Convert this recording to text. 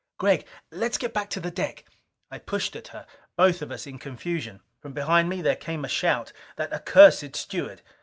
"Gregg, let's get back to the deck." I pushed at her, both of us in confusion. From behind me there came a shout. That accursed steward!